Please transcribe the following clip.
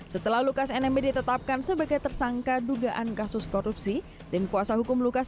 setelah lukas nmb ditetapkan sebagai tersangka dugaan kasus korupsi tim kuasa hukum lukas